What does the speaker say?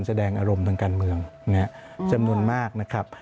เชิญมนุษย์มากครับ